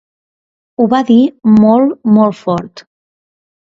Ho va dir molt, molt fort.